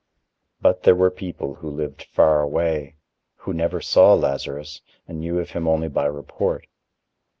But there were people who lived far away, who never saw Lazarus and knew of him only by report.